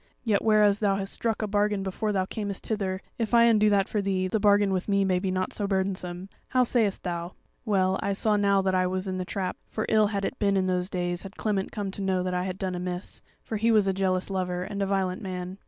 Yet whereas thou has struck a bargain before thou camest hither, if I undo that for thee, the bargain with me may be nought so burdensome. How sayest thou?' "Well, I saw now that I was in the trap, for ill had it been in those days had Clement come to know that I had done amiss; for he was a jealous lover, and a violent man."